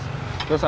terus ada gula gula